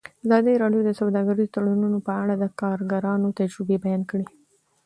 ازادي راډیو د سوداګریز تړونونه په اړه د کارګرانو تجربې بیان کړي.